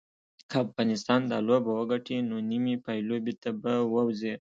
که افغانستان دا لوبه وګټي نو نیمې پایلوبې ته به ووځي